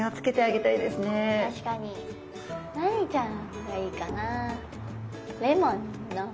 何ちゃんがいいかな。